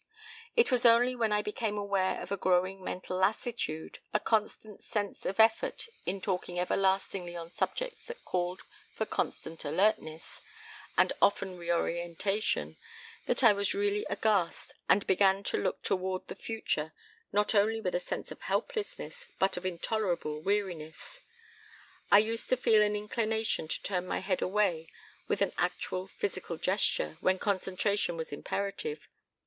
"It was only when I became aware of a growing mental lassitude, a constant sense of effort in talking everlastingly on subjects that called for constant alertness and often reorientation, that I was really aghast and began to look toward the future not only with a sense of helplessness but of intolerable weariness. I used to feel an inclination to turn my head away with an actual physical gesture when concentration was imperative.